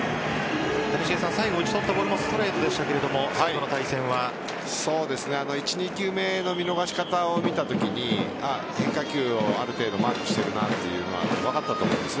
谷繁さん、最後打ち取ったボールもストレートでしたが１、２球目の見逃し方を見たときに変化球をある程度マークしているなというのは分かったと思うんです。